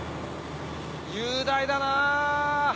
雄大だな。